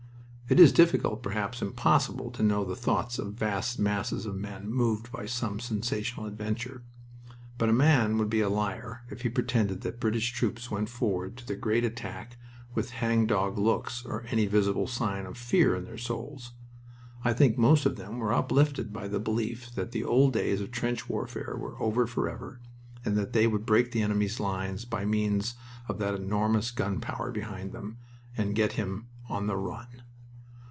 It is difficult, perhaps impossible, to know the thoughts of vast masses of men moved by some sensational adventure. But a man would be a liar if he pretended that British troops went forward to the great attack with hangdog looks or any visible sign of fear in their souls. I think most of them were uplifted by the belief that the old days of trench warfare were over forever and that they would break the enemy's lines by means of that enormous gun power behind them, and get him "on the run."